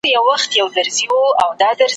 د زړه په تل کي یادولای مي سې `